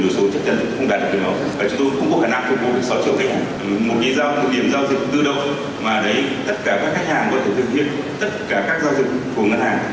tất cả các giao dịch của ngân hàng